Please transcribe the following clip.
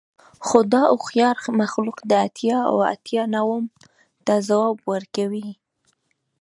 خو دا هوښیار مخلوق د اتیا اوه اتیا نوم ته ځواب ورکوي